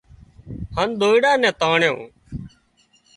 هانَ ۮوئيڙا نين تانڻيون